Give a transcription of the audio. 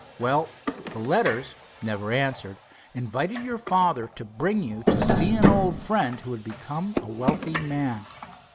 "Well, the letters, never answered, invited your father to bring you to see an old friend who had become a wealthy man.